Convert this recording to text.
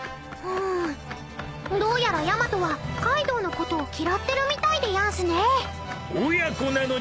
［うんどうやらヤマトはカイドウのことを嫌ってるみたいでやんすね］